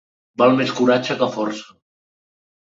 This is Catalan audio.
Val més coratge que força.